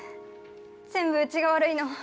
全部うちが悪いの。